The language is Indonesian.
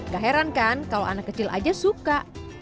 gak heran kan kalau anak kecil aja suka